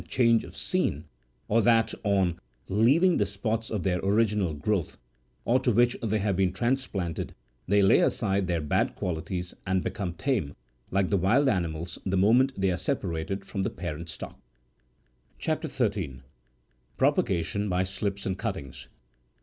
change of scene, or that, on leaving the spots of their original growth, or to which they have been transplanted, they lay aside their bad qualities and become tame, like the wild ani mals, the moment they are separated from the parent stock. CHAP. 13. PROPAGATION BY SLIPS AND CUTTINGS.